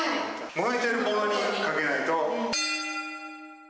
燃えてるものにかけないと。